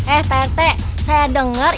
eh pak rete saya dengar